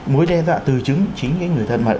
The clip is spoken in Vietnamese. mối đe dọa từ chứng chính cái người thân mật